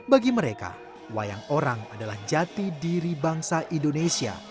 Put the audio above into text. bagi mereka wayang orang adalah jati diri bangsa indonesia